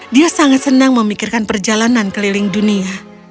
dia sangat senang memikirkan perjalanan keliling dunia